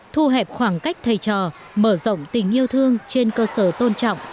thu hẹp khoảng cách thầy trò mở rộng tình yêu thương trên cơ sở tôn trọng